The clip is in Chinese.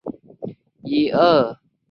公司总部位于意大利佩斯卡拉市。